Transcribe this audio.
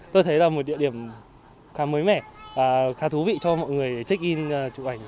tôi thấy là một địa điểm khá mới mẻ và khá thú vị cho mọi người check in chụp ảnh